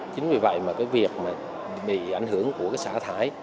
chính vì vậy mà cái việc mà bị ảnh hưởng của cái xả thải